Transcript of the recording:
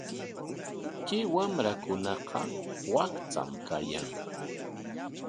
Kay wamrakunaqa wakcham kayan.